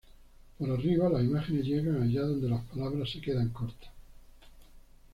Por arriba, las imágenes llegan allá donde las palabras se quedan cortas.